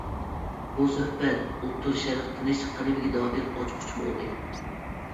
بۇ سۆھبەت ئوتتۇرا شەرق تىنچلىق قەدىمىگە دائىر ئاچقۇچ بولدى.